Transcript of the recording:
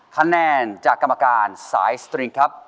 คะแนนจากกรรมการสายสตริงครับ